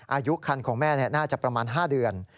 อายุคันของแม่น่าจะประมาณ๕เดือน